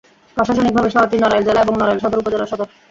প্রশাসনিকভাবে শহরটি নড়াইল জেলা এবং নড়াইল সদর উপজেলার সদর।